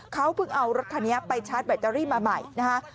เขาเพิ่งเอารถคันนี้ไปชาร์จแบตเตอรี่มาใหม่นะฮะ